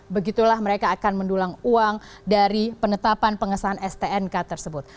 begitulah mereka akan mendulang uang dari penetapan pengesahan stnk tersebut